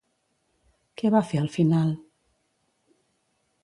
Què va fer al final?